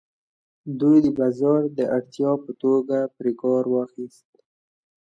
دوی د بازار د اړتیا په توګه پرې کار واخیست.